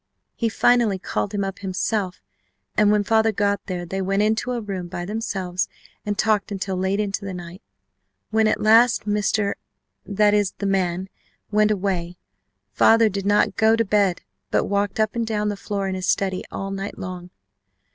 He finally called him up himself and when father got there they went into a room by themselves and talked until late into the night. When at last Mr. that is the man, went away, father did not go to bed but walked up and down the floor in his study all night long.